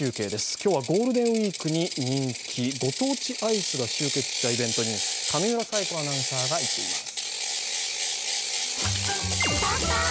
今日はゴールデンウイークに人気ご当地アイスが集結したイベントに上村彩子アナウンサーが行っています。